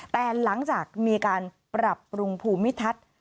แต่หลังจากมีการปรับปรุงภูมิทัศน์